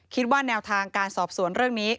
แนวทางการสอบสวนเรื่องนี้